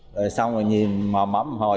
rồi xong rồi nhìn mỏm mắm hồi